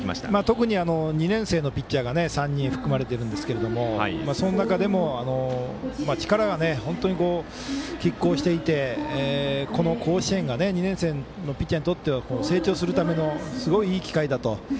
特に２年生のピッチャーが３人含まれているんですがその中でも力は本当にきっ抗していてこの甲子園が２年生のピッチャーにとっては成長するためのすごい、いい機会だと。